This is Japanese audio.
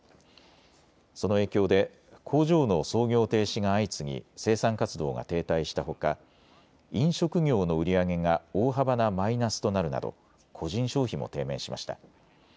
その影響で工場の操業停止が相次ぎ、生産活動が停滞したほか飲食業の売り上げが大幅なマイナスとなるなど個人消費も低迷しました。